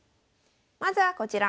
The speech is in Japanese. まずはこちら。